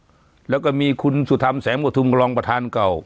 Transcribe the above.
โอ้เป็นได้สวยด้วยแล้วก็มีคุณสุธรรมแสงบทุมรองประธานเก่า